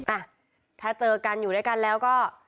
อ่ะถ้าเจอกันอยู่ด้วยกันแล้วก็